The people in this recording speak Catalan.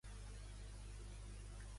Quina pregunta li ha fet Boya a Trias?